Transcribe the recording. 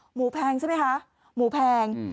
แพงใช่ไหมคะหมูแพง